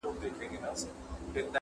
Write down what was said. او تر آس نه یم په لس ځله غښتلی -